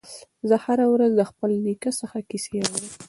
زه هره شپه د خپل نیکه څخه کیسې اورم.